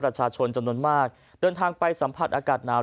ประชาชนจำนวนมากเดินทางไปสัมผัสอากาศหนาว